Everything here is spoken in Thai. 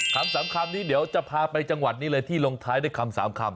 คำนี้เดี๋ยวจะพาไปจังหวัดนี้เลยที่ลงท้ายด้วยคำ๓คำ